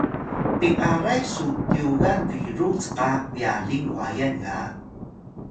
pin’aray su tyugal biru cqa byaling wayan ga